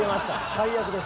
最悪です。